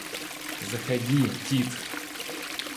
Заходи, Тит!